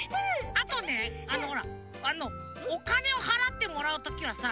あとねあのほらあのおかねをはらってもらうときはさ